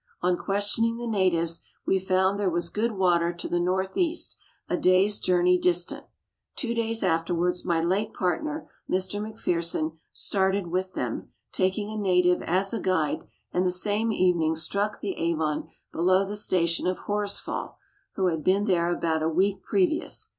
On questioning the natives, we found there was good water to the north east, a day's journey distant. Two days afterwards my late partner, Mr. McPherson, started with them, taking a native as a guide, and the same evening struck the Avon below the station of Horsfall, who had been there about a week previous.